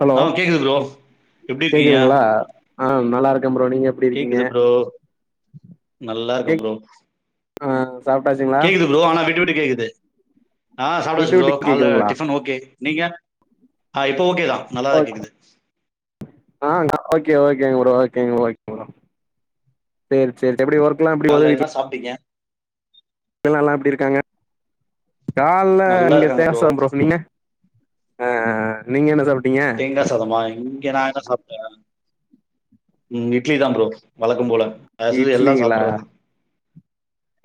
Hello ஆ கேக்குது bro எப்டி இருக்கீங்க? கேக்குதுங்களா ஆ நல்லாருக்கே ப்ரோ நீங்க எப்டி இருக்கீங்க கேக்குது ப்ரோ நல்லா இருக்கே கேக் ப்ரோ ஆ சாப்புட்டாச்சுங்களா கேக்குது ப்ரோ ஆனா விட்டு விட்டு கேக்குது ஆ சாப்பிட்டாச்சு விட்டு ப்ரோ விட்டு கால்ல கேக்குதுங்களா டிஃபன் ஓகே நீங்க ஆ இப்போ ஓகே தா நல்லா தா ஓக் கேக்குது ஆ ஓகே ஓகேங்க ப்ரோ ஓகேங்க ஓகேங்க ப்ரோ சேரி சேரி எப்படி ஒர்க்கலாம் எப்படி போது வீட்ல சாப்பிட்டீங்க எல்லா எப்டி இருக்காங்க கால்ல நல்லா இங்க இருக்காங்க தேசா ப்ரோ நீங்க ஆ அ நீங்க என்ன சாப்ட்டீங்க தேங்கா சாதமா இங்க நான் என்ன சாப்பிட்டேன் ம் இட்லி தா ப்ரோ வழக்கம் போல ஏஸ் யூஸ்வல் எல்லாம் இட்லிங்களா சாப்பட்றது தா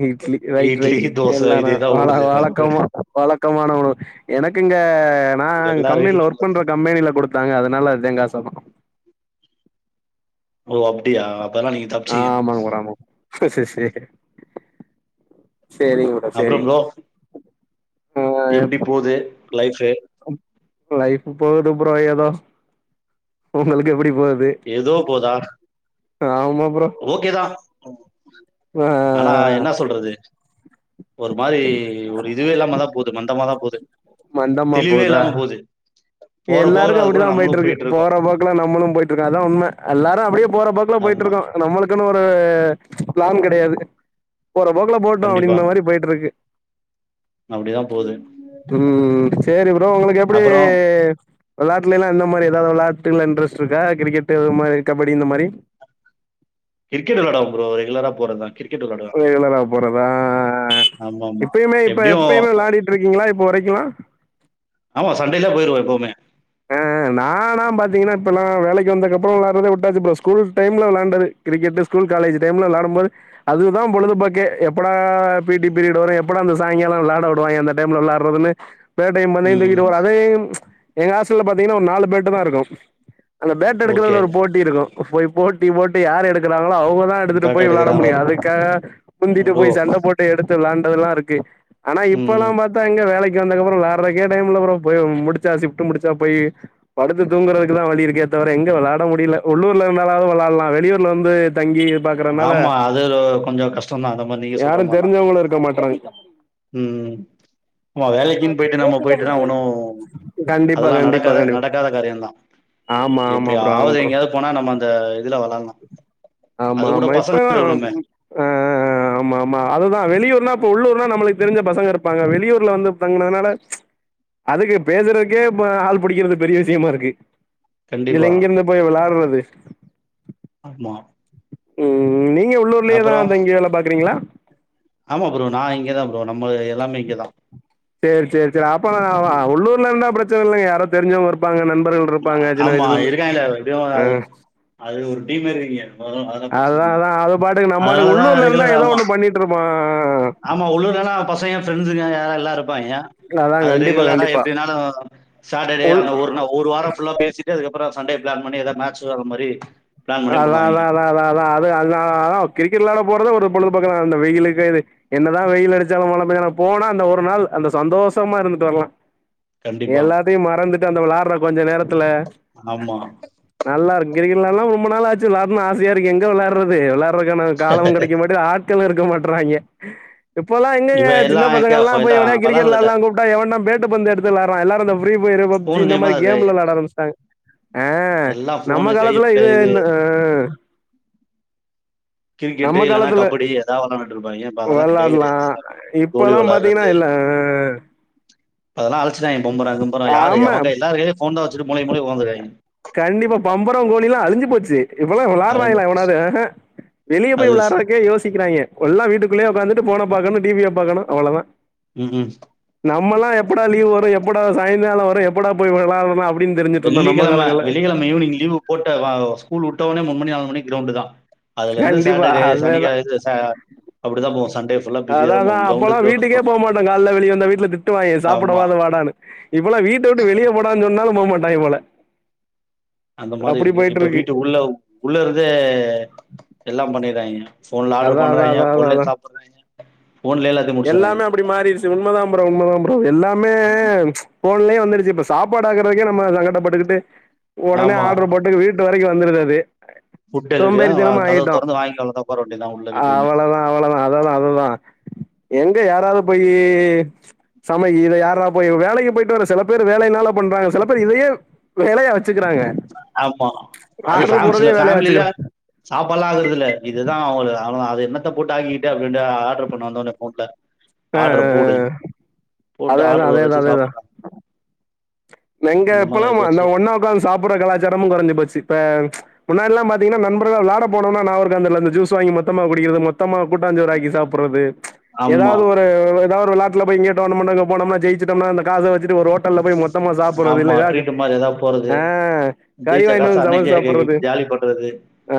இட்லி ரைட் ரைட் தோசை இதே எல்லாரும் தான் வழ ஓடுது. வேற ஒண்ணும் இல்ல. வழக்கமா வழக்கமான உணவு எனக்குங்க நான் எல்லார் கம்பெனில வீட்லயும் ஒர்க் உள்ளது தான். பண்ற கம்பெனில கொடுத்தாங்க அதனால அதாங்க தேங்காய் சாத ஓ அப்டியா பரவால்ல நீங்க தப்பிச்சீங்க ஆமாங்க ப்ரோ ஆமாங்க சேரி ப்ரோ அப்புறம் சேரிங்க ப்ரோ ப்ரோ எப்படி போது லைஃப் லைஃப் போது ப்ரோ‌ எதோ உங்களுக்கு எப்டி போது எதோ போதா ஓகே தா அ ஆனா என்ன சொல்றது ஒரு மாரி ஒரு இதுவே இல்லாமாதா போது மந்தமாதா போது மந்தமா தெளிவே போகுதா இல்லாம போது போற போக்குல எல்லாருக்கு அது கூட அப்டித்தா நம்மளும் போயிட்ருக்கு போயிட்டு இருக்கோம் போற போக்குல நம்மளு போயிட்ருக்கோ அதா உண்ம எல்லாரு அப்டியே போற போக் ஃபுல்லா ஆமா போயிட்ருக்கோ நம்மளுக்குன் ஒரு பிளான் கெடையாது போற போக்குல போட்டு கண்டிப்பா அப்டின்ற மாரி போயிட்ருக்கு அப்டிதான் போது ம் சேரி ப்ரோ உங்ளுக்கு எப்டி அப்புறம் வெளாட்டுலைலா எந்த மாரி எதாவ்து வெளாட்டுல இன்ட்ரெஸ்ட் இருக்கா கிரிக்கெட்டு அது மாரி கபடி இந்த மாரி கிரிக்கெட் விளாட ப்ரோ ரெகுலரா போறதா கிரிக்கெட் வெளாடுவே ரெகுலரா போறதா அ ஆமா ஆமா இப்பயுமே இப்ப எப்டியும் எப்பயுமே வெளையாடிட்ருக்கீங்ளா இப்ப வரைக்கு ஆமா சண்டைலா போயிருவே எப்பவுமே அ நானா பாத்தீங்கன்னா இப்பல்லா வேலைக்கு வந்தக்கப்பறோ வெளையாறதே விட்டாச்சு ப்ரோ ஸ்கூல் டைம்ல வெளாண்டது கிரிக்கெட்டு ஸ்கூல் காலேஜு டைம்ல வெளாடும்போது அதுதா பொழுதுபோக்கே எப்படா பி டி பீரியட் வரு எப்படாட அந்த சாயங்காலா விளாடா உடுவாய்ங்கே டைம்ல வெளாறதுன்னு பேட்டயு பந்தையு ம் தூக்கிட்டு போற அதை எங்க ஹாஸ்டல பாத்தீங்கன்னா ஒரு நாலு பேட்டு தா இருக்கு அந்த பேட் ஓகே எடுக்கிறதுல ஒரு போட்டி இருக்கு போய் போட்டி போட்டு யார் எடுக்கிறாங்களோ அவுங்க தா எடுத்துட்டு பேட் போய் விளாட எடுக்கிறாங்களோ முடியு அதுக்காக முந்திட்டு ஓ போய் சண்ட போட்டு எடுத்து விளாண்டதுல்லா இருக்கு ஆனா இப்பெல்லா ம் பாத்தா அங்க வேலைக்கு வந்தக்கப்றோ விளாறக்கே டைம் இல்ல ப்ரோ போய் முடிச்சா ஷிப்ட் முடிச்சா போயி படுத்து தூங்குறதுக்கு தா வழி இருக்கே தவிர எங்க வெளாட முடியல உள்ளூர்ல இருந்தாலாவு வெளாடலா வெளியூர்ல வந்து தங்கி பாக்குறனால ஆமா அது லோ கொஞ்சோ கஷ்டந்தா அந்த மாரி நீங்க சொல்ற யாரு மார்லா தெரிஞ்சவங்களு இருக்க மாட்றாங்க ம் ஆமா வேலைக்குன் போயிட்டு நம்ம போயிட்டு தா ஆவுனு கண்டிப்பா அதெல்லா கண்டிப்பா நடக்காத கண்டிப்பா நடக்காத காரியந்தா ஆமா ஆமா ப்ரோ ஆமா எப்பியாவ்து ப்ரோ எங்கய [unintelligible] போனா நம்ம அந்த இதுல வெளாட்லா ஆமா ஆமா இப்ப ஆ ஆ ஆமா ஆமா அதுதா வெளியூர்னா இப்ப உள்ளூர்னா நம்மளுக்கு தெரிஞ்ச பசங்க இருப்பாங்க வெளியூர்ல வந்து தங்கனதுனால அதுக்கு பேசறதுக்கே இப்ப ஆள் புடிக்கிறது பெரிய விஷயமா இருக்கு இதுல கண்டிப்பா எங்கிருந்து போய் விளாட்றது ஆமா ம் நீங்க உள்ளூர்லயே தா அப்புறம் தங்கி வேல பாக்குறீங்ளா ஆமா ப்ரோ நா இங்க தா ப்ரோ நம்மளுது எல்லாமே இங்கதா சேரி சேரி சேரி அப்ப உள்ளூர்ல இருந்த பிரச்சன இல்லைங்க யாரோத் தெரிஞ்சவங் இருப்பாங்க நண்பர்கள் இருப்பாங்க சின்ன ஆமா வயசுலருந்து இருக்காங்களே எப்படியும் ஆ அது அது ஒரு டீம் மாரி இருக்கீங்க வரும் அதெல்லாம் பிரச்சனை அதா இல்ல அதா அது பாட்டுக்கு நம்பாட்டுக் அதனாலதான் உள்ளூர்ல இருந்தா ரெகுலர் எதோ ஆமா ஒண்ணு பண்ணி ட்ருப்போ ஆமா உள்ளூர்லனா பசங்க ஃப்ரெண்ட்ஸுங்க ய எல்லாருப்பாங்க அதா அது கண்டிப்பா ரெகுலரா கண்டிப்பா எப்டினாலு சாட்டடே உள் அந்த ஒரு நா ஒரு வாரோ ஃபுல்லா பேசி ட்டு அதுக்கப்றோ சண்டே பிளான் பண்ணி எதா மேட்ச் வெளாட்ற மாரி அதா அதா அதா அதா அதா அது அதானலதா கிரிக்கெட் வெளாட போறதே ஒரு பொழுதுபோக்கலா இந்த வெயிலுக்கு இது என்னதா வெயில் அடிச்சாலு மழ பெய்னா போனா அந்த ஒரு நாள் அந்த சந்தோஷமா இருந்துட்டு வரலா கண்டிப்பா எல்லாத்தையு மறந்துட்டு அந்த வெளாட்ற கொஞ்ச நேரத்துல ஆமா நல்லா இரு கிரிக்கலாம் ரொம்ப நாள் ஆச்சு விளானும் ஆசையா இருக்கு எங்க விளாடுறது விளாற இருக்கான காலமு கெடைக்க மாட்டு ஆட்களு இருக்க மாட்டறாய்ங்க இப்பெல்லாம் எங்கங்க இவ ஜின்ன எல்லாம் எங்க பசங்கலாம் போய் எவனாய்து எல்லாம் கிரிக்கெட் வளர்றதில்ல வெளாலாம் கூப்ட்டா எவனா பேட்டு பந்து எடுத்து வெளாற எல்லாரும் ஃபீரிபயர் பப்ஜி ஃபோனு இந்த கையுமா மாரி தான் கேம் இருக்காங்க விளாட ஆரம்பச்சாய்ங்க அ எல்லாம் நம்ம ஃபோனு கை காலத்துல இது இந்த, ஆ, கிரிக்கெட்டு நம்ம இல்லன்னா காலத்துல கபடி எதா வெளாண்டுட்டு இருப்பாய்ங்க இப்ப அதெல்லா கெடையவே கெடையாது வெளாட்லாம் இப்ப எல்லாமே இப்பல்லாம் பா த்தீங்கன்னா இல்ல அ அதெல்லாம் அழிச்சுட்டாய்ங்க பம்பரம் கெம்பரம் யாரு ஆமா எவன்கையில ஃபோன் தான் வச்சுட்டு மூலைக்கு மூலை உக்காந்திராய்ங்க கண்டிப்பா பம்பரம் கோலிலாம் அழிஞ்சு போச்சு இப்பல்லாம் அழிஞ்சு வெளாடுறாய்ங்களா போச்சு எவனாது ஆஹ வெளிய போய் அது வெளாறர்க்கே யோசிக்கிறாய்ங்க கொல்லாம் வீட்டுக்குள்ளே உக்காந்துட்டு போன பாக்கணும் டி வி ய பாக்கணும் அவ்ளோ தான் ம் ம் நம்மல்லாம் எப்படா லீவு வரும் எப்படா சாயங்காலம் வரும் எப்படா போய் விளாடலா அப்டின் திரிஞ்சுட்டு இருந்தோம் நம்ம வெள்ளிக்கெழம காலங்கள வெள்ளிக்கெழம ஈவினிங் லீ்வு போட்ட ஸ்கூல் வுட்டனே மூனுமணி ஆன ஒனே க்ரௌண்டு தான் அதுல இருந்து கண்டிப்பா சாட்டர்டே அதேதா சனிக்க இது ச அப்படி தான் போவோம் சண்டே ஃபுல்லா பிஸியா அத தா போவு தான் கிரௌண்டு அப்பல்லாம் கிரௌண்டு வீட்டுக்கே கிரௌண்டு தா போமாட்டோம் கால்ல வெளிய வந்தா வீட்ல திட்டு வாய்ங்கன் ஆமா சாப்படவாது வாடான்னு இப்பல்லாம் வீட்ட விட்டு வெளியே போடானு சொன்னாலும் போகமாட்டாய்ங்க போல அந்த மாரி அப்டி இருக்கு இப்ப போயிட்ருக்கு வீட்டு உள்ள உள்ளருந்தே எல்லாம் பண்ணிறாய்ங்க போன்ல ஆடர் அதா அதா பண்ணறாய்ங்க அதா அதா ஃபோன்லே அதா சாப்றாய்ங்க ஃபோன்லே தா எல்லாமே அப்படி மாறிச்சு உண்மதாம் ப்ரோ உண்மதான் ப்ரோ எல்லாமே ஃபோன்லயே வந்துடுச்சு இப்ப சாப் ப்பாடாக்குறதக்கே நம்ம சங்கடப்பட்டுக்கிட்டு ஒடனே ஆமா ஆடர் போட்டு வீட்டு வரைக்கும் வந்துருது அது ஃபுட் டெலிவரிய வ சோம்பேறித்தனமா கதவ ஆயிட்டோ தொறந்து வாங்கிட் வந்து ஒக்கார வேண்டி தா உள்ள வீட்டு உள்ள அவ்ளோ தா அதுதா அது தா எங்க யாராது போயி சமைக்கி இத யாரா போயி வேலைக்கு போயிட்டு வர சில பேரு வேலைனால பண்றாங்க சில பேரு இதயே வேலையா வச்சுக்குறாங்க ஆமா அது ஃபேம்ஸ் சில வேலையா ஃபேமிலில வச்சுக்கிறாங்க சாப்பாலாம் ஆக்குறதுல இதுதா அவளு அவனும் அத என்னத்த போட்டு ஆக்கி கிட்டு அப்டின்ட்டு ஆடர் பண்ணுவ வந்ததோ ஃபோன்ல ஆ ஆ ஆட்ர போடு ஆ போட்டு அதேதான் ஆட்ரு வர அதேதான் வச்சு அதேதான் சாப்புறா எங்க இப்பல்லா அந்த ஒன்னா ஒக்காந்து சாப்புற கலாச்சாரமு கொறஞ்சி போச்சு இப்ப முன்னாடில்லா பாத்தீங்னா நண்பர்க வெளாடா போனோனா நா நாவர்க்கா தெர்ல அந்த ஜூஸ் வாங்கி மொத்தமா குடிக்கிறது மொத் த்தமா கூட்டாஞ்சோறு ஆக்கி சாப்புட்றது ஆமா ஏதாவ்து ஒரு எத ஒரு வெளாட்டல போய் கேட்டோம்ங்கன அங்க போனோம்னா ஜெயிச்சுடோம்னா அந்த காச வச்சிட்டு ஒரு ஹோட் ட்டல போய் மொத்தமா சாப்புறது ஆமா இல்லயா ட்ரீட் மாரி எதா போறது அ கறிவாய்னு வந்து சமச்சி சாப்புறது பெறகு ஆ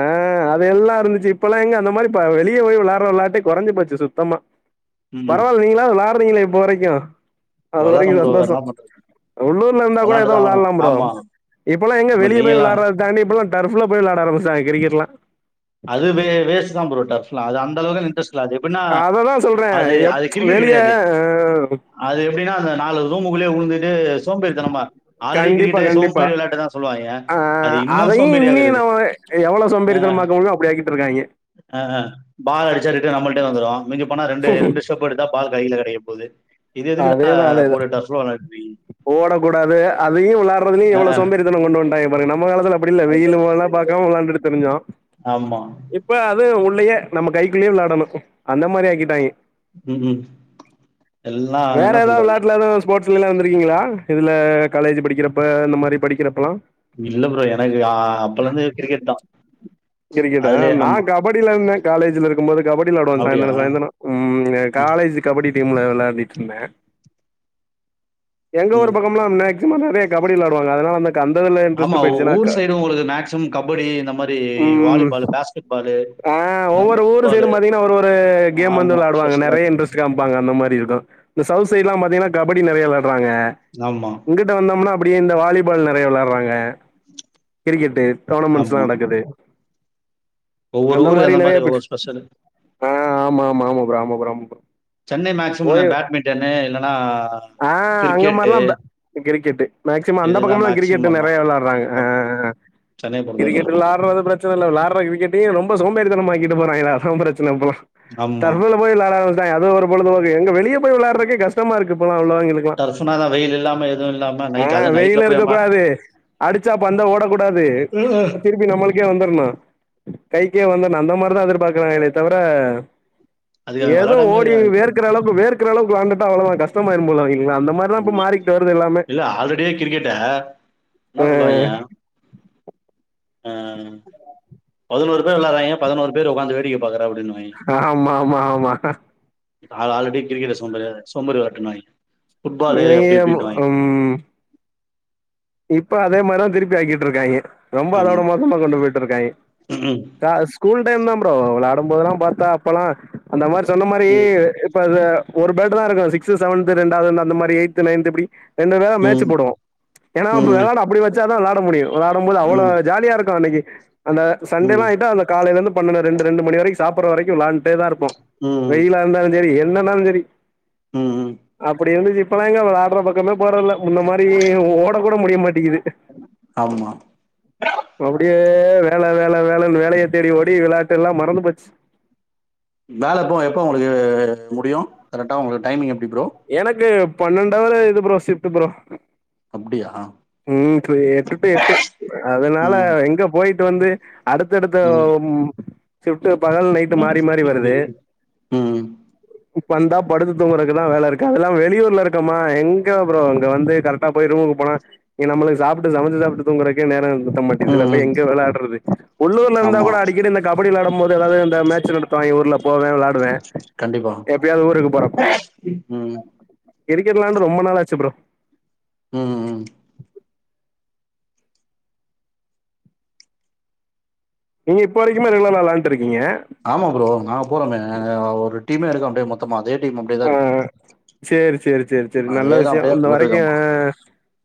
அது எல்லா இருந்துச்சு இப்பல்லா எங்க அந்த மாரி ப வெளிய போய் வெளாற வெளாட்டே கொறஞ்சு போச்சு சுத்தமா ம் பரவால் நீங்களா வெளாறிங்களே இப்போ வரைக்கும் அது வரைக்கு வெளாட்றோம் ப்ரோ வேற என்ன சந்தோஷம் பண்றது உள்ளூர்ல இருந்தா கூட ஏதோ வெளாண்டுதான் ஆகணும் வெள்ளாலாம் ப்ரோ ஆமா இப்பல்லாம் எங்க இப்ப வெளிய போய் நீங்கலாம் வெள்ளாற தனிப்பல்லா டர்ஃப்புல்லா போய் வெளாட ஆரம்பிஷ்டாங்க கிரிக்கெட்லாம் அது வே வேஸ்ட்டு தா ப்ரோ டஃப்ல்லா அது அந்த அளவுக்கு இன்ட்ரஸ் அது எப்பன்னா அததா சொல்றே அது எப் அது கிரிக்கெட் வெளிய கெடையாது அது எப்டின்னா அந்த நாலு ரூமுக்குள்ளயே உலுந்துட்டு சோம்பேறி தனமா ஆல்ரெடி கண்டிப்பா கிரிக்கெட்டே கண்டிப்பா சோம்பேறி வெளயாட்டு தா சொல்லுவாய்ங்க அது இன்னும் சோம்பேறியா தெரிருது எவ்ளோ சோம்பேரிதனமாக்க முடிமோ அப்டி ஆக்கிட்டு இருக்காய்ங்க அ ஆ பால் அடிச்சா ரிட்டர்ன் நம்மள்ட்டே வந்துரும் மிஞ்சி போனா ரெண்டு ரெண்டு கஷ்டப்பட்டுத்தா பால் கைல கெடைக்க போது இது எதுக்கு நா போட்டு [unintelligible] வெளாண்டுட்டுருக்கீங்க போடக்கூடாது அதையு வெளாடுறதுலயு அ, எவ்ளோ அ. சோம்பேறித்தனம் கொண்டு வந்ட்டாங்க பாருங்க நம்ம காலத்துல அப்டில்ல வெயிலு அதுதான்டா மழை கிரிக்கெட்டு. பாக்காம வெளாண்ட்டுட்டு திரிஞ்சோ ஆமா. இப்போ அது உள்ளயே நம்ம கைக்குள்ளயே வெளாடணு அந்த மாரி ஆக்கிட்டாங்க ம் ம் எல்லாம் வேற என்ன எதா சொல்றது? வெளாட்ல எதுவு ஸ்போர்ட்ஸ் லல்லா இருந்திருக்கீங்ளா இதுல காலேஜ் படிக்கறப்ப அந்த மாரி படிக்கறப்பல்லா இல்ல ப்ரோ எனக்கு ஆ அப்பலந்து கிரிக்கெட்தா கிரிக்கெட்டா நா கபடில இருந்த காலேஜ்ல இருக்கும்போது கபடி வெளாடுவன் அப்படியா? சாய்ந்ரோ சாய்ந்ரோ ம் ம், காலேஜ் கபடி டீம்ல வெளாடிட்டு இருந்த எங்க ஒரு ம். பக்கோமெல்லா மேக்சிமம் நெறையா கபடி வெளாடுவாங்க அதுனால வந்து அந்த இதுல ஆமா ஊர் சைடு உங்ளுக்கு மேக்சிமம் கபடி இந்த மாரி ம், வாலிபால் பேஸ் ஆ ஒவ்வொரு ஊரு சைடும் பாத்தீங்னா ஒரு ஒரு கேம் வந்து ஆமா. வெளாடுவாங்க ஸ்பெஷலா நெறையா இன்ட்ரெஸ்ட் காம்பாங்க அந்த மாரி இருக்கு இந்த சவுத் சைடெல்லா பாத்தீங்னா கபடி நெறையா வெளாடுறாங்க ஆமா இங்கிட்டு வந்தம்னா அப்டியே இந்த வாலிபால் நெறையா வெளாடறாங்க கிரிக்கெட்டு டோர்னமெண்ட்ஸ்லா ஆமா. நடக்குது ஒவ்வொரு அந்த ஊரு மாரி நெறையா ஒவ்வொரு ஸ்பெஷலு. ஆ ஆமாமா ஆமா ப்ரோ ஆமா ப்ரோ சென்னை மேக்சிமம் நா போய் பேட்மிட்டன்னு இல்லனா ஆ அங்க மார்ல்லா பே கிரிக்கெட்டு மேக்சிமம் அந்த இதுதான் பக்கமல்லா மேக்ஸிமம் கிரிக்கெட்டு ஆமா, நெறையா வெளாடுறாங்க ஆமா. அ சென்னைய கிரிக்கெட் பொறுத்தவரைக்கும். வெளாடறது பிர ச்சனல்ல வெளாடற கிரிக்கெட்டயே ரொம்ப சோம்பேறித்தனமாக்கிட்டு போறாங்லா அதா பிரச்சன இப்பல்லா ஆமா. தற்கொல போய் வெளாடாததுதா அது ஒரு பொழுதுபோக்கு எங்க வெளிய போய் வெளாடறக்கே கஷ்டமா இருக்கு இப்பல்லா உள்ளவங்ளுக்கு டர்ஃப்னா தான் வெயில் இல்லாம எதுவும் இல்லாம ஆ நைட்ல அதுவும் நைட்ல வெயில் போய் இருக்க நம்ம கூடாது அடிச்சா பந்த ஓடக்கூடாது கே வந்துர்னு கைக்கே வந்துனு அந்த மாரிதா எதிர்பார்க்கறாங்ளே தவிர அதுக்கு அவன் ஏதோ விளையாடாமயே ஓடி இருக்கலாம் எனக்கு வேக்ற தெரிஞ்சு. அளவுக்கு வேக்ற அளவுக்கு வெளாண்டுட்டா அவ்ளதா கஷ்டமாயிரும் போல அவிங்களுக்கெல்லா அந்த மாரி இல்ல ஆல்ரெடியே கிரிக்கெட்ட என்ன சொல்லுவாங்க ம் அ பதினோரு பேர் வெளாடறாங்க பதினோரு பேர் உக்காந்து வேடிக்க பாற அப்டின்னு ஆமாமாமா அது ஆல்ரெடி கிரிக்கெட்ட சோம்பேறி சோம்பேறி வெளாட்டு மாரி இவிங்க ம் இப்ப அதே மாரிதா திருப்பி ஆக்கிட்டு இருக்காங்க ரொம்ப அதோட ஆமா. மோசமா கொண்டு போயிட்டு இருக்காங்க ம், கா ஸ்கூல் டைம்தான் ப்ரோ வெளாடும்போதெல்லாம் பாத்தா அப்பல்லா அந்த மாரி சொன்ன மாரி ம், இப்ப அத ஒரு பேட்டுதா இருக்கு சிக்ஸ் செவன்த் ரெண்டாவது அந்த மாரி எய்த் நைன்த் இப்டி ரெண்டு வே ம், மேட்சு போடுவோ ஏனா ம், அப்டி வெளாட அப்டி வெச்சாதா வெளாட முடியு வெளாடும்போது அவ்ளோ ம், ஜாலியா இருக்கு அன்னைக்கு அந்த சண்டே எல்லா ம், ஆயிட்டா அந்த காலைலிந்து பன்னண்டு ரெண்டு ரெண்டு மணி வரைக்கு சாப்பற வரைக்கு வெளா ன்டேதா இருப்போ ம். வெயில்லா இருந்தாலு சரி என்னன்னாலு சரி ம் ம் அப்டி இருந்துச்சு இப்பல்லா எங்க வெளாடற பக்கமே போறதில்ல முன்ன மாரி ஓட கூட முடிய மாட்டீகுது ஆமா அப்டியே வேல வேல வேலன்னு வேலைய தேடி ஓடி வெளாட்டெல்லா மறந்து போச்சு வேல எப்போ எப்போ உங்களுக்கு முடியு கரெக்டா உங்களுக்கு டைமிங் எப்டி ப்ரோ எனக்கு பன்னெண்டவரு இது ப்ரோ சிப்ட் ப்ரோ அப்டியா ம் எட்டு டு எட்டு அதனால ம் எங்க போயிட்டு வந்து அடுத்தடுத்த ம் சிப்ட் பகல் நைட்டு மாறி மாறி வருது ம் ம் இப்பந்தா படுத்து தூங்கறதுக்குதா வேல இருக்கு அதெல்லா வெளியூர்ல இருக்கமா எங்க ப்ரோ அங்க வந்து கரெக்டா போய் ரூமுக்கு போனா இங்க நம்மளுக்கு சாப்ட்டு சமச்சு சாப்ட்டு தூங்கறக்கே நேரோ பத்த மாட்ட இதுல போய் ம் எங்க வெளடுறது உள்ளூர்ல இருந்தா ஆமா கூட அடிக்கடி இந்த கபடி விளாடும் போது ஏதாவது இந்த மேட்சு நடத்துவாங்க ஊர்ல போவே விளாடுவே கண்டிப்பா எப்பயாது ஊருக்கு போறப்ப ம் கிரிக்கெட்லாண்டு ரொம்ப நாாளாச்சு ப்ரோ ம் நீங்க இப்போ வரைக்குமே ரெகுலரா வெளாண்ட்டு இருக்கீங்க ஆமா ப்ரோ நாங்க போறமே ஒரு டீமே இருக்கோ அப்படியே மொத்தமா அதே டீம் அப்படியேதா இருக்கு ஆ சேரி சேரி சேரி சேரி நல்ல அதேதா விஷயோ அப்டியே இந்த வரைக்கும் போயிட்ருக்கம்மா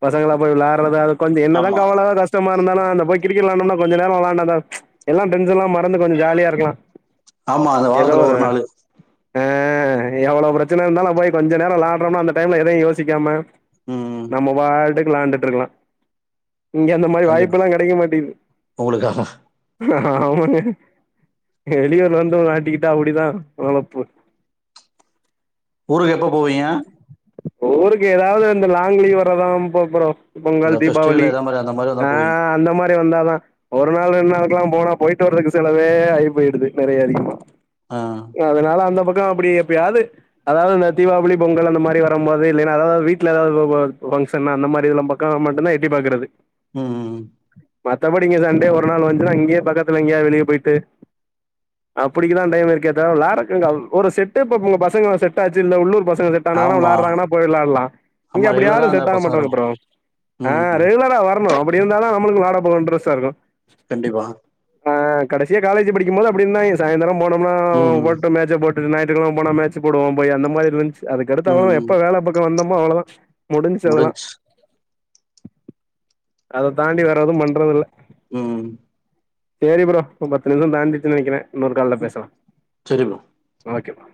பசங்களா போய் விளாடுறது அது கொஞ்ச என்ன தா ஆமா கவல கஷ்டமா இருந்தாலும் அந்த போய் கிரிக்கெட் விளாண்டம்ன்னா கொஞ்ச நேரோ விளாண்டா தா எல்லாம் டென்ஷன்ல்லா மறந்து கொஞ்சோ ஜாலியா இருக்கலா ஆமா அந்த ஏதோ வாரத்துல ஒரு நாளு ஆ எவ்வள பிரச்சன இருந்தாலும் நம்ம போய் கொஞ்ச நேரோ விளாட்ரம்ன்னா அந்த டைம்ல எதயு யோசிக்காம ம் ம் நம்மவாட்டுக்கு விளாண்டுட்டு இருக்கலா இங்க அந்த மாரி வாய்ப்பு கண்டிப்பா எல்லா கெடைக்க மாட்டேது உங்களுக்காக ஆமாங்க வெளியூர் வந்து மாட்டிக்கிட்டா அப்டிதா பொழப்பு ஊருக்கு எப்போ போவீங்க ஊருக்கு ஏதாவது இந்த லாங் லீவ் வர்றதா ப்ப ப்ரோ இந்த பொங்கல் ஃபெஸ்டிவல் தீபாவளி எதா மாரி அந்த மாரி வந்தா ஆ போவீங்க அந்த மாரி வந்தாதா ஒரு நாள் ரெண்டு நாளுக்குல்லா போனா போயிட்டு வரதுக்கு செலவே ஆகி போயிடுது நெறைய அதிகமா ஆ அதனால அந்த பக்கோ அப்டி எப்பயாது அதாவது இந்த தீபாவளி பொங்கல் அந்த மாரி வரம் போது இல்ல அதாவது வீட்டுல எதாவது பங்க்ஷன்னா அந்த மாரில்லா க்காக மட்டுந்தா எட்டி பாக்கறது ம் ம் மத்தபடி இங்க சண்டே ஒரு நாள் வந்துச்சனா இங்கயே பக்கத்துல எங்கயாது வெளிய போயிட்டு அப்படிக்குதா டைம் இருக்கே தவர விளாற்றதுக்கு எங்க ஒரு செட்டு இப்ப மூணு பசங்க செட் ஆச்சு சில்ல உள்ளூர் பசங்க செட்டானாங்னா ஆமா விளாட்றாங்கானா போய் விளாட்லாம் இங்க ஆமா அப்டி ரெகுலரா யாரும் அந்த செட் ஆக பசங்க மாட்றாங்க இருக்கணு ப்ரோ ஆ ம் ரெகுலரா வர்ணும் அப்டி இருந்தாதா நம்மளுக்கும் விளாடபோக இன்ட்ரஸ்டா இருக்கும் கண்டிப்பா ஆ கடசியா காலேஜ்ஜி படிக்கம் போது அப்டி இருந்தாங்க சாய்ந்தரம் போனம்னா ம் ம் போட்டு மேட்ச்ச போட்டு நாயத்து கெழம போனா மேட்ச்சு போடுவோ போய் அந்த மார் இருந்துச்சு அது அடுத்து ம் அவ்ளதா ம் எப்ப வேல பாக்கோ வந்தமோ அவ்ளோதா முடிஞ்ச்சி அதெல்லா முடிஞ்ச்சு அத தாண்டி வேற எதும் பண்றதில்ல ம் சேரி ப்ரோ இப்ப பத்து நிம்ஷோ தாண்டிச்சி நெனைக்கிறே இன்னொரு கால்ல பேசலாம் சரி ப்ரோ ஓகே ப்ரோ